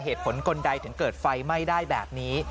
เหตุผลคนใดถึงเกิดไฟไหม้ได้แบบนี้